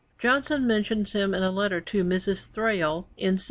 Johnson mentions him in a letter to Mrs. Thrale in 1778.